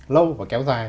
lâu và kéo dài